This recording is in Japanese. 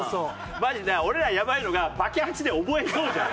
マジな俺らやばいのがバケハチで覚えそうじゃん